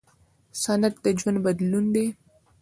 صنعت د ژوند بدلون دی.